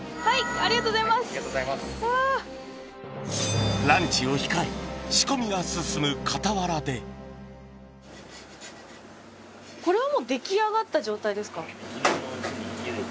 ・ありがとうございます・ランチを控え仕込みが進む傍らでこれはもう出来上がった状態ですか？